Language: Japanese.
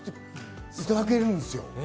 いただけるんですよ。